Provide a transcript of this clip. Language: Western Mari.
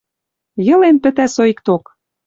Йылен пӹтӓ соикток.